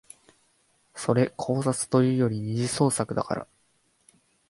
それ考察というより二次創作だから